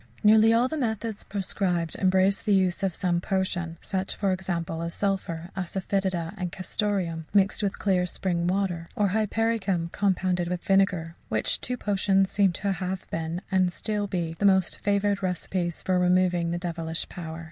Nearly all the methods prescribed embrace the use of some potion; such, for example, as sulphur, asafœtida, and castoreum, mixed with clear spring water; or hypericum, compounded with vinegar which two potions seem to have been (and to be still) the most favoured recipes for removing the devilish power.